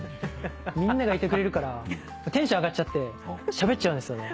みんながいてくれるからテンション上がっちゃってしゃべっちゃうんですよね。